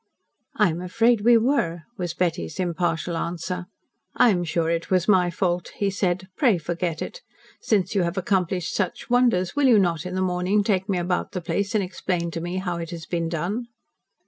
"I am afraid we were," was Betty's impartial answer. "I am sure it was my fault," he said. "Pray forget it. Since you have accomplished such wonders, will you not, in the morning, take me about the place and explain to me how it has been done?"